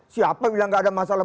siapa bilang gak ada masalah